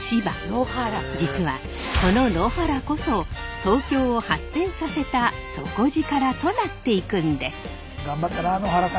実はこの野原こそ東京を発展させた底力となっていくんです。